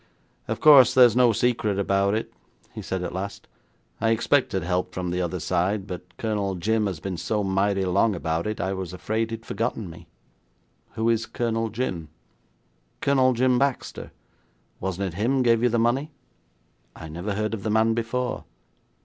'Of course, there's no secret about it,' he said at last. 'I expected help from the other side, but Colonel Jim has been so mighty long about it, I was afraid he'd forgotten me.' 'Who is Colonel Jim?' 'Colonel Jim Baxter. Wasn't it him gave you the money?' 'I never heard of the man before.'